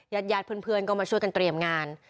ญาติญาติเพื่อนก็มาช่วยกันเตรียมงาน